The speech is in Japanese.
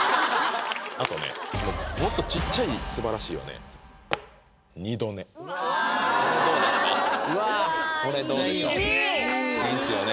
あとねもっとちっちゃい「すばらしい」はねうわいいですね！